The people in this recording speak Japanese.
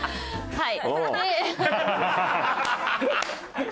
はい。